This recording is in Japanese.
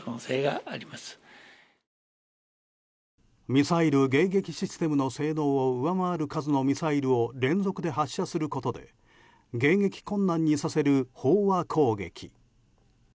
ミサイル迎撃システムの性能を上回る数のミサイルを連続で発射することで迎撃困難にさせる飽和攻撃。